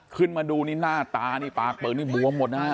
ขึ้นมาดูนี่หน้าตานี่ปากเปิดนี่บวมหมดนะฮะ